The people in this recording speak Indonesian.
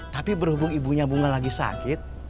tapi berhubung ibunya bunga lagi sakit